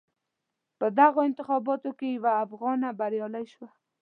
په دغو انتخاباتو کې یوه افغانه بریالی شوه.